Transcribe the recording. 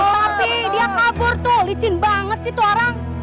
tadi dia kabur tuh licin banget sih tuh orang